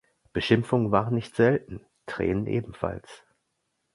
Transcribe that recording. Beschimpfungen waren nicht selten, Tränen ebenfalls.